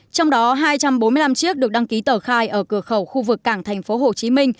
trong đó hai trăm bốn mươi năm chiếc được đăng ký tờ khai ở cửa khẩu khu vực cảng tp hcm